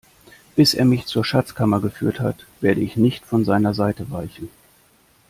Bis er mich zur Schatzkammer geführt hat, werde ich nicht von seiner Seite weichen.